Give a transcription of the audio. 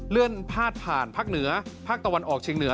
เลื่อนพาดผ่านภาคเหนือภาคตะวันออกเชียงเหนือ